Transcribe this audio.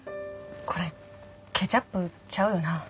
これケチャップちゃうよな？